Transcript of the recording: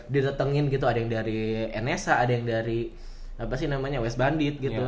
ditetengin gitu ada yang dari enesa ada yang dari west bandit gitu